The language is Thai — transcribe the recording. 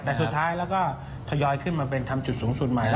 แต่สุดท้ายแล้วก็ทยอยขึ้นมาเป็นทำจุดสูงสุดใหม่